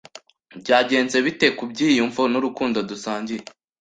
Byagenze bite ku byiyumvo n'urukundo dusangiye